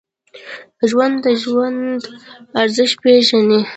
ژوندي د ژوند ارزښت پېژني